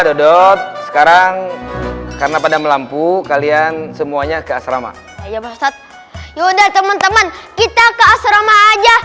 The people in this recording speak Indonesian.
dodot sekarang karena pada melampu kalian semuanya ke asrama iya ustadz yaudah teman teman kita ke asrama aja